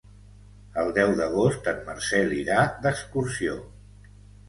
El deu d'agost en Marcel irà d'excursió.